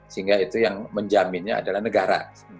sehingga itu yang menjaminnya adalah negara